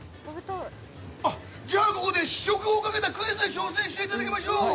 じゃあ、ここで試食を兼ねたクイズに挑戦していただきましょう！